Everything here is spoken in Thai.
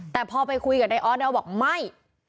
แต่พอไปคุยกับนายออสแล้วบอกไม่